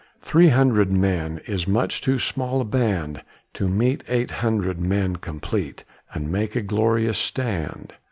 three hundred men Is much too small a band To meet eight hundred men complete, And make a glorious stand.